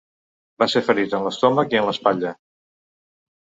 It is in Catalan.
Va ser ferit en l'estómac i en l'espatlla.